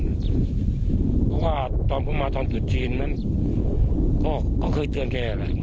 เพราะว่าตอนพบมาตอนปิดจีนมันก็เคยเตือนแกอะไร